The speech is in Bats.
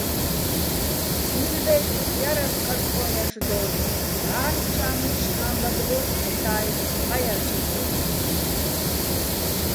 წნილბე́წრიკ ჲარასო̆ კაწკოჼ ჲაშდო́ლიჼ, მჵა́რლ ჩა́მლიშ ჰა́მბადბო́ს ინცა́ჲ, ყაჲალჩედო́ლიჼ.